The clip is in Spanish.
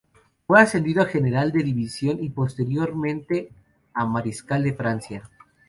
Fue ascendido a general de división y posteriormente a mariscal de Francia.